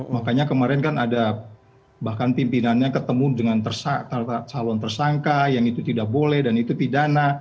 makanya kemarin kan ada bahkan pimpinannya ketemu dengan calon tersangka yang itu tidak boleh dan itu pidana